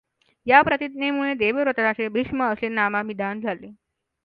या प्रतिज्ञेमुळे देवव्रताचे भीष्म असे नामाभिधान झाले.